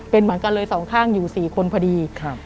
เป็นเหมือนกันเลยสองข้างอยู่๔คนพอดี